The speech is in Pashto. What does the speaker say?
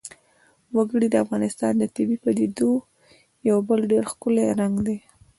وګړي د افغانستان د طبیعي پدیدو یو بل ډېر ښکلی رنګ دی.